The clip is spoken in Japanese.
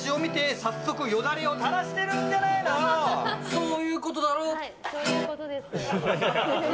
そういうことだろ！